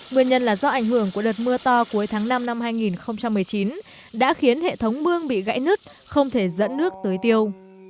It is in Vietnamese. nguyên nhân là do ảnh hưởng của đợt mưa to cuối tháng năm năm hai nghìn một mươi chín đã khiến hệ thống mương bị gãy nứt không thể dẫn nước tới tiêu